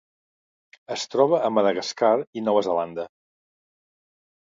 Es troba a Madagascar i Nova Zelanda.